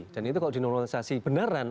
dan itu kalau dinormalisasi benaran